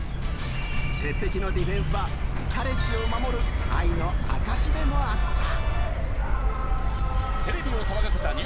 鉄壁のディフェンスは彼氏を守る愛の証しでもあった。